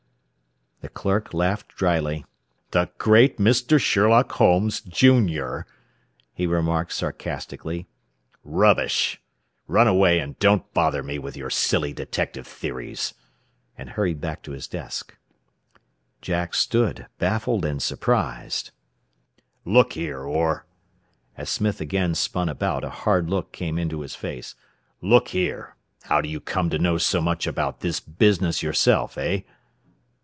The clerk laughed drily. "The great Mr. Sherlock Holmes, junior!" he remarked sarcastically. "Rubbish. Run away and don't bother me with your silly detective theories," and turned back to his desk. Jack stood, baffled and surprised. [Illustration: THE CLERK WAS COLORLESS, BUT ONLY FALTERED AN INSTANT.] "Look here, Orr!" As Smith again spun about a hard look came into his face. "Look here, how do you come to know so much about this business, yourself? Eh?"